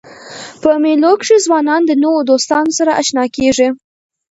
په مېلو کښي ځوانان د نوو دوستانو سره اشنا کېږي.